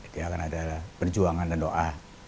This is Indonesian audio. dia akan ada perjuangan dan doa